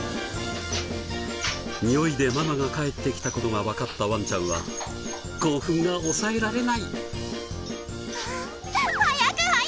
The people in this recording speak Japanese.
においでママが帰ってきた事がわかったワンちゃんは興奮が抑えられない！